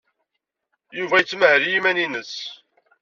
Yuba yettmahal i yiman-nnes.